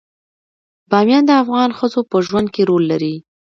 بامیان د افغان ښځو په ژوند کې رول لري.